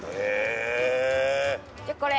じゃあこれ。